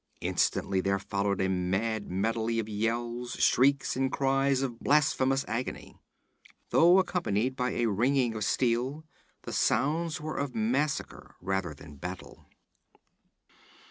Instantly there followed a mad medley of yells, shrieks and cries of blasphemous agony. Though accompanied by a ringing of steel, the sounds were of massacre rather than battle.